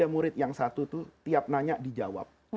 dan ada murid yang satu itu tiap nanya dijawab